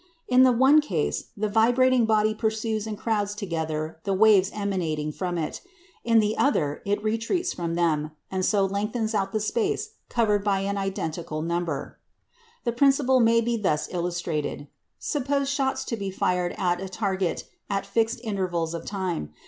In the one case, the vibrating body pursues and crowds together the waves emanating from it; in the other, it retreats from them, and so lengthens out the space covered by an identical number. The principle may be thus illustrated. Suppose shots to be fired at a target at fixed intervals of time.